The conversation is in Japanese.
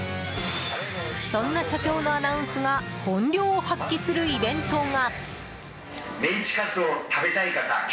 そんな社長のアナウンスが本領を発揮するイベントが。